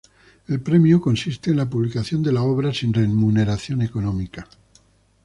El premio consiste en la publicación de la obra, sin remuneración económica.